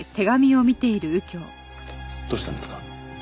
どうしたんですか？